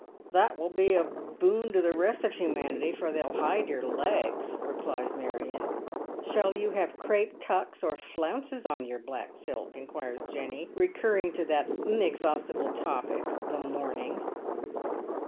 " That will be a boon to the rest of humanity, for they'll hid* your legs," replies Marion. " Shall you have crape tucks or flounces on your black silk ?" inquires Jenny, recurring to that inexhaustible topic, the mourning.